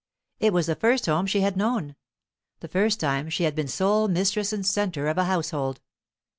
It was the first home she had known the first time she had been sole mistress and centre of a household.